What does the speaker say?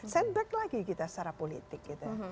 setback lagi kita secara politik gitu